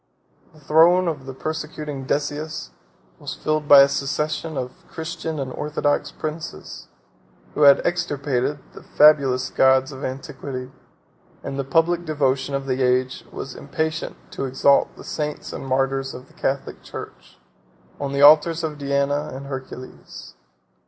The throne of the persecuting Decius was filled by a succession of Christian and orthodox princes, who had extirpated the fabulous gods of antiquity: and the public devotion of the age was impatient to exalt the saints and martyrs of the Catholic church, on the altars of Diana and Hercules.